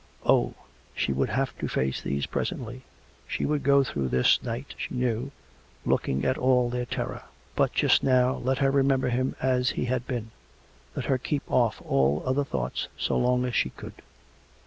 ... Oh ! she would have to face these presently; she would go through this night, she knew, looking at all their terror. But just now let her 186 COME RACK! COME ROPE! remember him as he had been; let her keep off all other thoughts so long as she could.